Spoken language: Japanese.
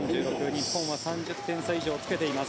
日本は３０点差以上つけています。